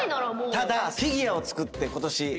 ただフィギュア作ってことし。